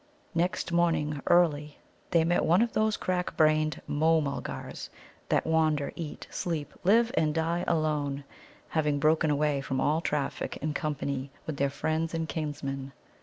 Next morning early they met one of those crack brained Môh mulgars that wander, eat, sleep, live, and die alone, having broken away from all traffic and company with their friends and kinsmen.